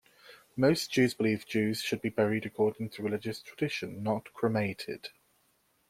Most Jews believe Jews should be buried according to religious tradition, not cremated.